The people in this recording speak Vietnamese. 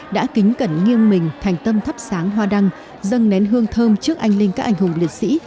đã kính cẩn nghiêng mình thành tâm thắp sáng hoa đăng dâng nén hương thơm trước anh linh các anh hùng liệt sĩ